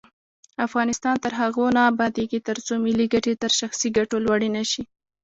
افغانستان تر هغو نه ابادیږي، ترڅو ملي ګټې تر شخصي ګټو لوړې نشي.